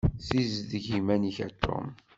Ssizdeg iman-ik a Tom.